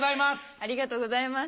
ありがとうございます。